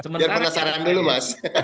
biar penasaran dulu mas